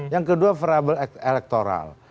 yang kedua variabel elektoral